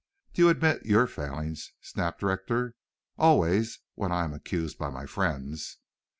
"Do you admit your failings?" snapped Rector. "Always, when I am accused by my friends."